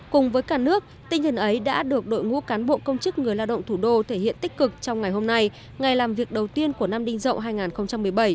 cùng với cả nước tinh thần ấy đã được đội ngũ cán bộ công chức người lao động thủ đô thể hiện tích cực trong ngày hôm nay ngày làm việc đầu tiên của năm đinh dậu hai nghìn một mươi bảy